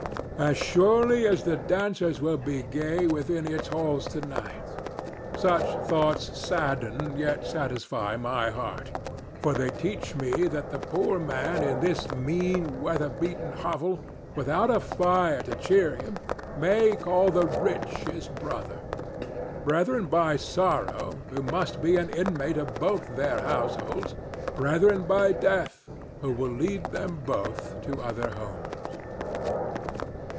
As surely as the dancers will be gay within its halls to night. Such thoughts sadden yet satisfy my heart, for they teach me that the poor man in this mean, weatherbeaten hovel, without a fire to cheer him, may call the rich his brother—brethren by Sorrow, who must be an inmate of both their households; brethren by Death, who will lead them both to other homes.